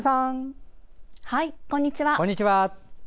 こんにちは。